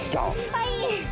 はい。